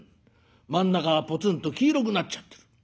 真ん中がぽつんと黄色くなっちゃってる。